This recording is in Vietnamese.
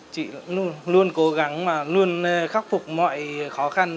chị luôn cố gắng mà luôn khắc phục mọi khó khăn